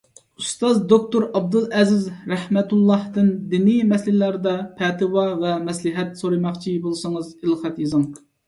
ئۇستاز دوكتور ئابدۇلئەزىز رەھمەتۇللاھتىن دىنىي مەسىلىلەردە پەتىۋا ۋە مەسلىھەت سورىماقچى بولسىڭىز، ئېلخەت يېزىڭ.